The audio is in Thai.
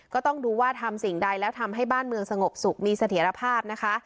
ก็ต้องดูว่าทำสิ่งใดแล้วทำให้บ้านเมืองสงบสุขมีเสถียรภาพนะคะ